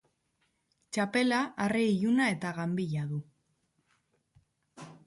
Txapela arre iluna eta ganbila du.